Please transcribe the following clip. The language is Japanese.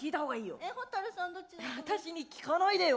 私に聞かないでよ！